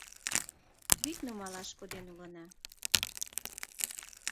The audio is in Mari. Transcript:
Вӱд нумалаш коден улына.